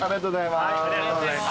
ありがとうございます。